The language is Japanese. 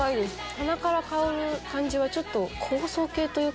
鼻から香る感じはちょっと香草系というか。